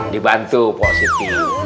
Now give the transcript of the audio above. dibantu pak siti